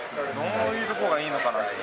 どういうところがいいのかなっていう。